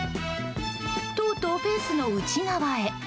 とうとうフェンスの内側へ。